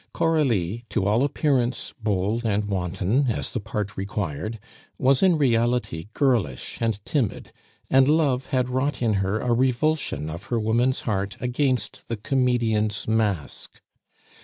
Coralie, to all appearance bold and wanton, as the part required, was in reality girlish and timid, and love had wrought in her a revulsion of her woman's heart against the comedian's mask.